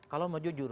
kalau mau jujur